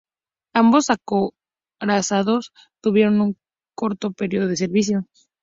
Ambos acorazados tuvieron un corto período de servicio.